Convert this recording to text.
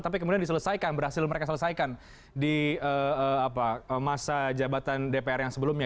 tapi kemudian diselesaikan berhasil mereka selesaikan di masa jabatan dpr yang sebelumnya